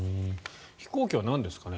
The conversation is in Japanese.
飛行機はなんですかね。